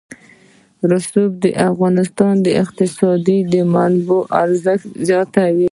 رسوب د افغانستان د اقتصادي منابعو ارزښت زیاتوي.